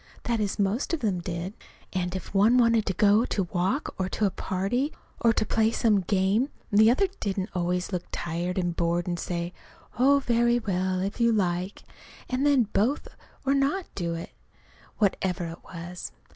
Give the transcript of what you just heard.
That is, most of them did. And if one wanted to go to walk, or to a party, or to play some game, the other didn't always look tired and bored, and say, "Oh, very well, if you like." And then both not do it, whatever it was.